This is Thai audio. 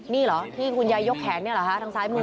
นี่เหรอที่คุณยายยกแขนเนี่ยเหรอคะทางซ้ายมือ